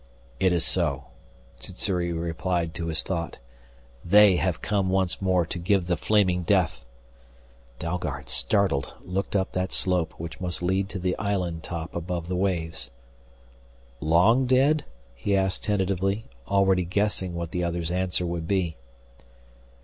"It is so," Sssuri replied to his thought. "They have come once more to give the flaming death " Dalgard, startled, looked up that slope which must lead to the island top above the waves. "Long dead?" he asked tentatively, already guessing what the other's answer would be.